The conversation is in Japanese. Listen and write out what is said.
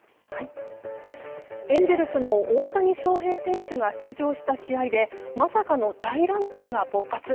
エンゼルスの大谷翔平選手が出場した試合でまさかの大乱闘が勃発。